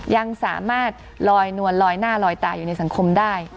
ยังสามารถลอยนวลลอยหน้าลอยตาอยู่ในสังคมได้